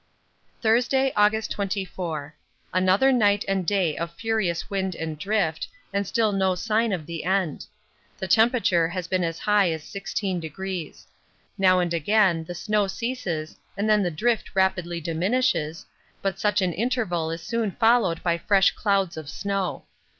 Thursday, August 24. Another night and day of furious wind and drift, and still no sign of the end. The temperature has been as high as 16°. Now and again the snow ceases and then the drift rapidly diminishes, but such an interval is soon followed by fresh clouds of snow.